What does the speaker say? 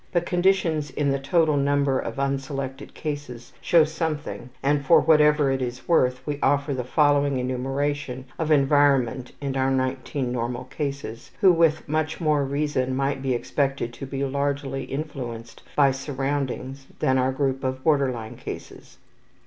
But conditions in the total number of unselected cases show something, and, for whatever it is worth, we offer the following enumeration of environment in our 19 normal cases, who with much more reason might be expected to be largely influenced by surroundings than our group of border line cases.